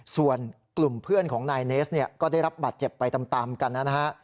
ส่วนกลุ่มเพื่อนของนายเนสเนี่ยก็ได้รับบาดเจ็บไปตามกันนะฮะ